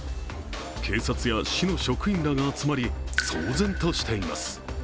警察や市の職員らが集まり騒然としています。